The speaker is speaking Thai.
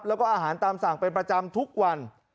แล้วก็อาหารตามสั่งเป็นประจำทุกวัน